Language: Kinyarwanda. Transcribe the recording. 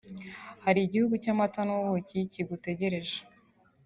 hari igihugu cy'amata n'ubuki kigutegereje